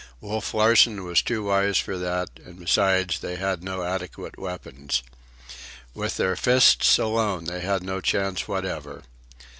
Wolf Larsen was too wise for that, and, besides, they had no adequate weapons. With their fists alone they had no chance whatever.